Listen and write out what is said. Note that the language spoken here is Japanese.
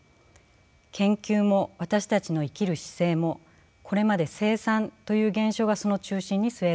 研究も私たちの生きる姿勢もこれまで生産という現象がその中心に据えられてきました。